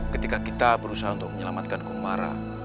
ketika kita berusaha untuk menyelamatkan kumara